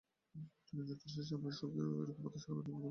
কিন্তু যুক্তরাষ্ট্রে সামরিক শক্তির এ রকম প্রদর্শনী অভূতপূর্ব।